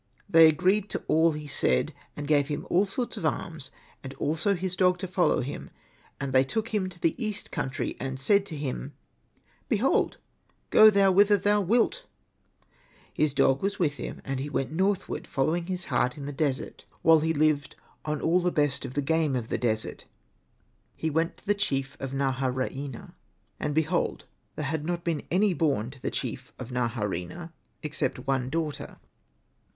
They agreed to all he said, and gave him all sorts of arms, and also his dog to follow him, and they took him to the east country, and said to him, '^ Behold, go thou whither thou wilt." His dog was with him, and he went northward, following his heart in the desert, while he Hosted by Google i6 THE DOOMED PRINCE lived on all the best of the game of the desert. He went to the chief of Naha rania. And behold there had not been any born GOING INTO THE DESKRT to the chief ot Naharaina, except oiie daughter.